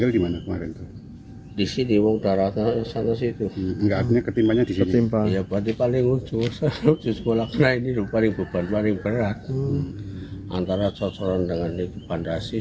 di antara sosokan dengan pandasi